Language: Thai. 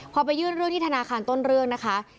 พอไปยื่นเรื่องที่ธนาคารต้นเรื่องนะคะ